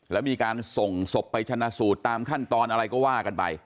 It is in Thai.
แล้วมีการส่งศพไปชนะสูตรตามขั้นตอนอะไรก็ว่ากันไป